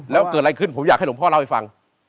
แล้วเกิดอะไรขึ้นผมอยากให้หลวงพ่อเล่าให้ฟัง